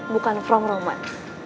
bukan from roman